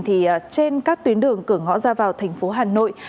thì trên các tuyến đường cửa ngõ ra vào thành phố hà nội